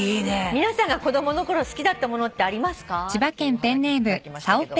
「皆さんが子供の頃好きだったものってありますか？」っていうおはがき頂きましたけど。